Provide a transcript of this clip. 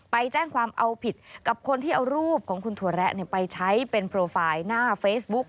ไปแจ้งความเอาผิดกับคนที่เอารูปของคุณถั่วแระไปใช้เป็นโปรไฟล์หน้าเฟซบุ๊ก